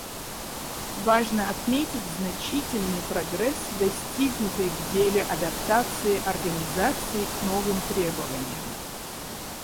Важно отметить значительный прогресс, достигнутый в деле адаптации Организации к новым требованиям.